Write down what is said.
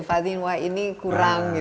fadhinwah ini kurang